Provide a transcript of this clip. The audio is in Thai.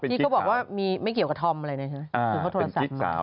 ที่ก็บอกว่าไม่เกี่ยวกับธอมอะไรใช่ไหม